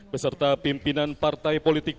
beserta pimpinan partai politik